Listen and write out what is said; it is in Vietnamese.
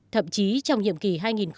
thậm chí trong nhiệm kỳ